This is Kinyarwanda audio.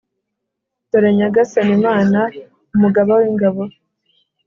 dore nyagasani, imana, umugaba w'ingabo